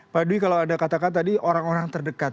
pak dwi kalau anda katakan tadi orang orang terdekat